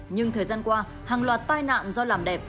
nhưng thời gian qua hàng loạt tai nạn do làm đẹp